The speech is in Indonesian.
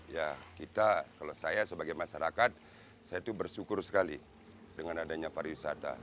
ya kita kalau saya sebagai masyarakat saya itu bersyukur sekali dengan adanya pariwisata